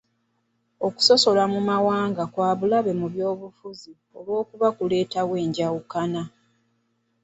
Okusosola mu mawanga kwa bulabe mu by'obufuzi olw'okuba kuleetawo enjawukana.